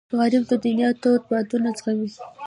غریب د دنیا تود بادونه زغمي